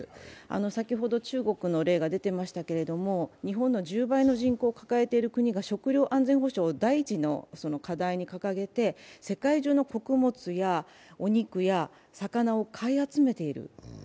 先ほど、中国の例が出てましたけど日本の１０倍の人口を抱えている国が食料安全保障を第一の問題に挙げて、世界中の穀物やお肉や魚を買い集めている。